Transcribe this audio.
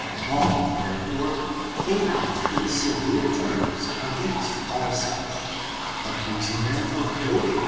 Paul, therefore, came out in severe terms against all such, accusing them of doting about J